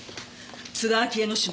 津田明江の指紋